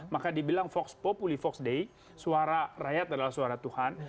maka dibilang vox populi vox dei suara rakyat adalah suara tuhan